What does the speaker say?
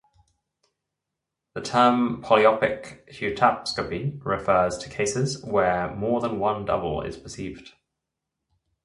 The term polyopic heautoscopy refers to cases where more than one double is perceived.